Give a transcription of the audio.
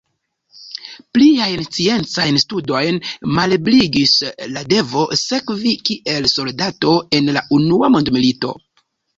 Pliajn sciencajn studojn malebligis la devo servi kiel soldato en la unua mondmilito.